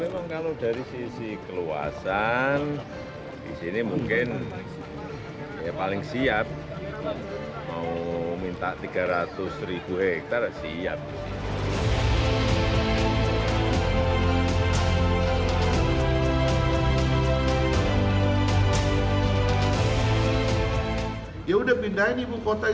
equationisa berubah seperti ini adalah variasi di lembek kami